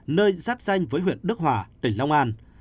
nơi giáp danh với huyện đức hòa tỉnh long an